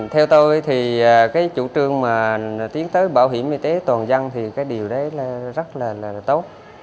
theo tôi thì cái chủ trương mà tiến tới bảo hiểm y tế toàn dân thì cái điều đấy rất là tốt